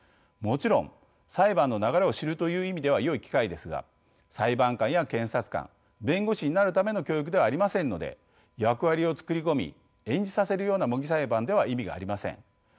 もちろん裁判の流れを知るという意味ではよい機会ですが裁判官や検察官弁護士になるための教育ではありませんので役割を作り込み演じさせるような模擬裁判では意味がありません。